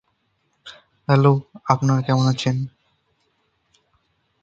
Proper placement of measuring instruments is critical.